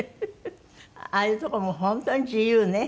ああいうところも本当に自由ね。